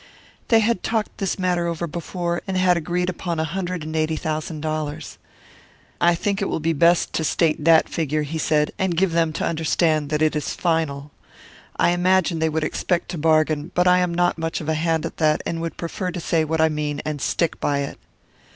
They had talked this matter over before, and had agreed upon a hundred and eighty thousand dollars. "I think it will be best to state that figure," he said, "and give them to understand that it is final. I imagine they would expect to bargain, but I am not much of a hand at that, and would prefer to say what I mean and stick by it."